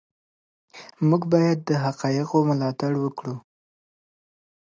موږ باید د حقایقو ملاتړ وکړو.